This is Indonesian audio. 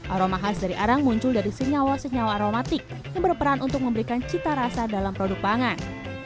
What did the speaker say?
aroma khas dari arang muncul dari senyawa senyawa aromatik yang berperan untuk memberikan cita rasa dalam produk pangan